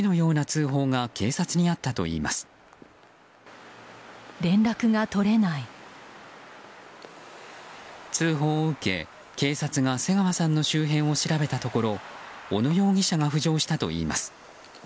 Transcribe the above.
通報を受け、警察が瀬川さんの周辺を調べたところ小野容疑者が浮上したといいます。